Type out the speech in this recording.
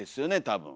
多分。